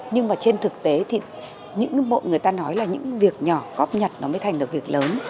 nhưng mà trên thực tế thì những mộ người ta nói là những việc nhỏ cóp nhặt nó mới thành được việc lớn